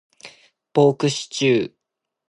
ポークシチュー